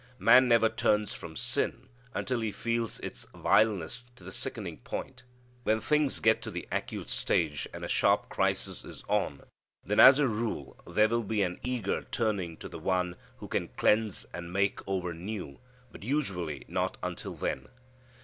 Man never turns from sin until he feels its vileness to the sickening point. When things get to the acute stage, and a sharp crisis is on, then as a rule there will be an eager turning to the One who can cleanse and make over new; but usually not until then.